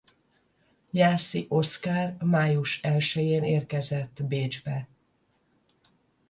Jászi Oszkár május elsején érkezett Bécsbe.